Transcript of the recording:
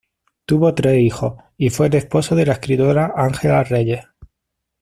Tuvo tres hijos, y fue el esposo de la escritora Ángela Reyes.